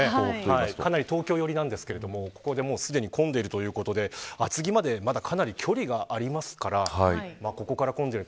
かなり東京寄りなんですがここですね混んでいるということで厚木まで、まだかなり距離がありますからここから混んでる。